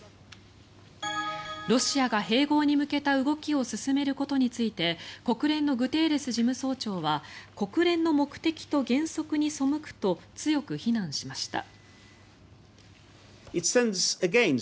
ロシアが併合に向けた動きを進めることについて国連のグテーレス事務総長は国連の目的と原則に背くと強く非難しました。